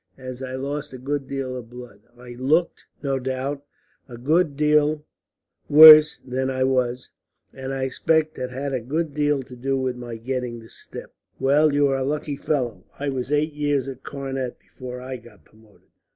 As I lost a good deal of blood, I looked no doubt a good deal worse than I was, and I expect that had a good deal to do with my getting the step." "Well, you are a lucky fellow. I was eight years a cornet before I got promoted."